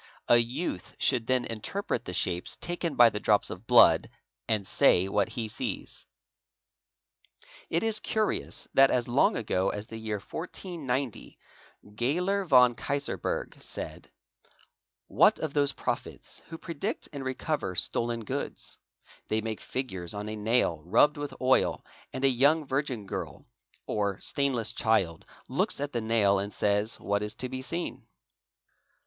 A youth should then interpret the shapes taken by the drops of blood and say what he sees. |= It is curious that as long ago as the year 1490 Getler von Kaisersberg SERRE OE T iM S said, "" What of those prophets who predict and recover stolen goods ?_ they make figures on a nail rubbed with oil and a young virgin girl or stainless child looks at the nail and says what is to be seen."